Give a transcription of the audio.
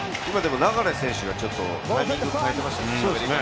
流選手がタイミング変えてましたね。